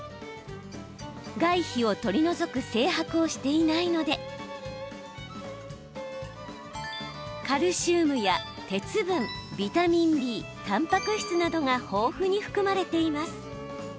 外皮を取り除く精白をしていないのでカルシウムや鉄分ビタミンＢたんぱく質などが豊富に含まれています。